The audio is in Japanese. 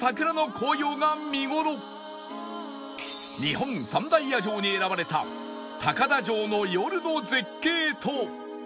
日本三大夜城に選ばれた高田城の夜の絶景と